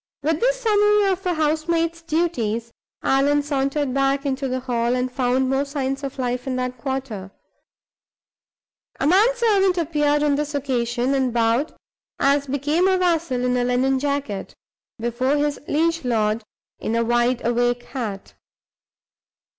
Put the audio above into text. With this summary of a housemaid's duties, Allan sauntered back into the hall, and found more signs of life in that quarter. A man servant appeared on this occasion, and bowed, as became a vassal in a linen jacket, before his liege lord in a wide awake hat.